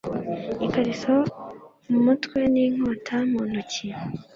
Ikariso ku mutwe ninkota mu ntoki